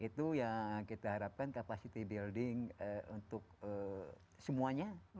itu yang kita harapkan capacity building untuk semuanya